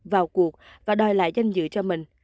vào cuộc và đòi lại danh dự cho mình